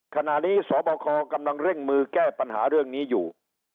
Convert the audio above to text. ขณะนี้สบคกำลังเร่งมือแก้ปัญหาเรื่องนี้อยู่